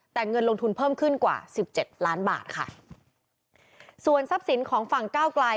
แต่เงินลงทุนเพิ่มขึ้นกว่าสิบเจ็ดล้านบาทค่ะส่วนทรัพย์สินของฝั่งก้าวไกล